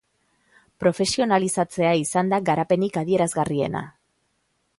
Profesionalizatzea izan da garapenik adierazgarriena.